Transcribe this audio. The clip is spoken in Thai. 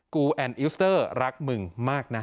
กูแอนอิสเตอร์รักมึงมากนะ